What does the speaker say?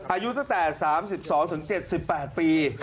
อายุตั้งแต่๓๒๗๘ปี